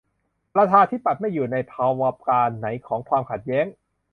ประชาธิปัตย์ ไม่ อยู่ในภาวการณ์ไหนของความขัดแย้ง ?